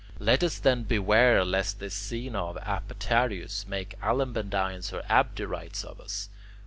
Let us then beware lest this scaena of Apaturius make Alabandines or Abderites of us.